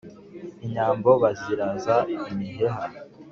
inyambo baziraraza imiheha